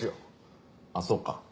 あっそっか。